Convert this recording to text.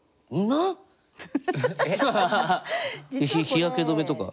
日焼け止めとか？